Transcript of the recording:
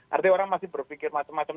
artinya orang masih berpikir macam macam